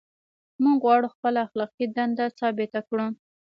موږ غواړو خپله اخلاقي دنده ثابته کړو.